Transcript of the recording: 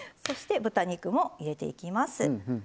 そして豚肉も入れていきます。